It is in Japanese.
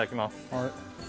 はい。